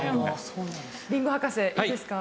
りんご博士いいですか？